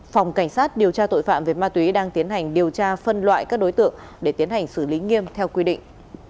phòng cảnh sát điều tra tội phạm về ma túy đang tiến hành điều tra phân loại các đối tượng để tiến hành xử lý nghiêm theo quy định